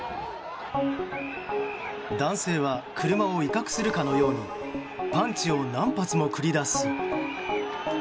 男性は車を威嚇するかのようにパンチを何発も繰り出す。